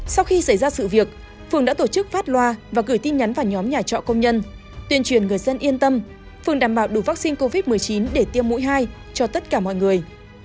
sau khi xảy ra sự việc phường đã tổ chức phát loa và gửi tin nhắn vào nhóm nhà trọ công nhân tuyên truyền người dân yên tâm phường đảm bảo đủ vaccine covid một mươi chín để tiêm mũi hai cho tất cả mọi người